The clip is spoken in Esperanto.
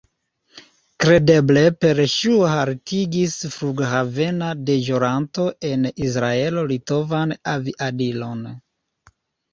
Kredeble per ŝuo haltigis flughavena deĵoranto en Israelo litovan aviadilon.